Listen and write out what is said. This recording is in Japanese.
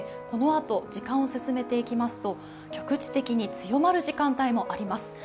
このあと時間を進めていきますと、局地的に強まる時間帯もあります。